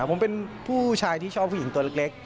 ผมเป็นผู้ชายที่ชอบผู้หญิงตัวเล็ก